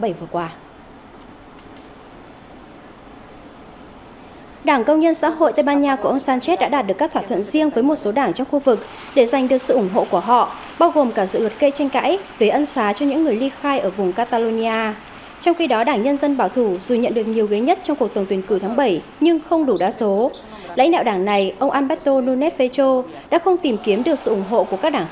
thủ tướng tây ban nha ông pedro sánchez đã tái đắc cử nhiệm kỳ mới sau khi nhận được một trăm bảy mươi chín phiếu thuận và một trăm bảy mươi một phiếu chống